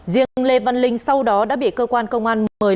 riêng lê văn linh sau đó đã bị cơ quan công an mời